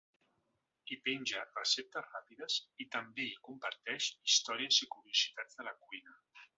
Hi penja receptes ràpides, i també hi comparteix històries i curiositats de la cuina.